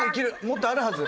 もっとあるはず。